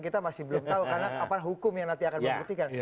kita masih belum tahu karena apa hukum yang nanti akan membuktikan